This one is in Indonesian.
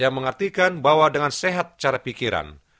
yang mengartikan bahwa dengan sehat cara pikiran